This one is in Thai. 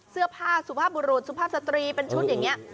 เสื้อผ้าสุภาพบุรุษสุภาพสตรีเป็นชุดอย่างนี้